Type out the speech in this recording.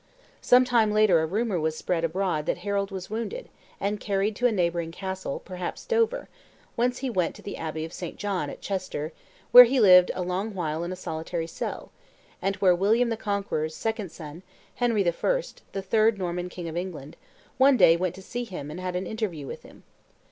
Some time later a rumor was spread abroad that Harold was wounded, and carried to a neighboring castle, perhaps Dover, whence he went to the abbey of St. John, at Chester, where he lived a long while in a solitary cell, and where William the Conqueror's second son, Henry I., the third Norman king of England, one day went to see him and had an interview with him.